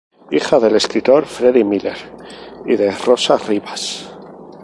Hija del escritor Fredy Miller y de Rosa Rivas.